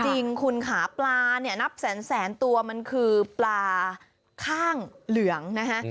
จริงคุณค่ะปลาเนี่ยนับแสนตัวมันคือปลาข้างเหลืองนะฮะ